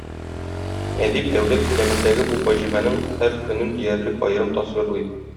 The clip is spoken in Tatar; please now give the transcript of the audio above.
Әдип дәүләт күләмендәге бу фаҗиганең һәр көнен диярлек аерым тасвирлый.